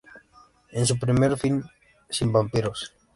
Es su primer film sin vampiros.